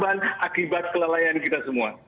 dan terban akibat kelelayan kita semua